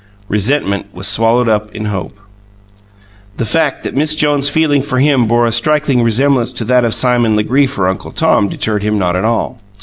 Resentment was swallowed up in hope. The fact that Miss Jones' feeling for him bore a striking resemblance to that of Simon Legree for Uncle Tom, deterred him not at all.